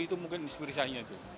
itu mungkin inspirasinya itu